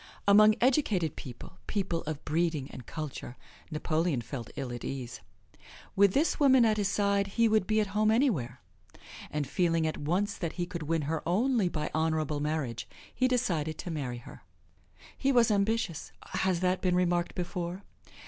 Among educated people, people of breeding and culture, Napoleon felt ill at ease. With this woman at his side he would be at home anywhere. And feeling at once that he could win her only by honorable marriage he decided to marry her. He was ambitious. Has that been remarked before?